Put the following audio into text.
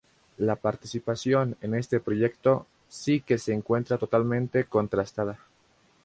La participación en este proyecto si que se encuentra totalmente contrastada.